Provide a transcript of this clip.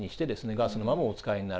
ガスのままお使いになる。